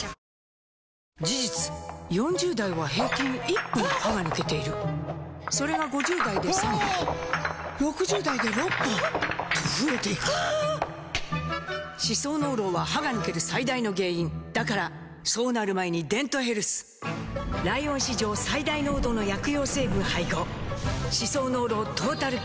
４０代は平均１本歯が抜けているそれが５０代で３本６０代で６本と増えていく歯槽膿漏は歯が抜ける最大の原因だからそうなる前に「デントヘルス」ライオン史上最大濃度の薬用成分配合歯槽膿漏トータルケア！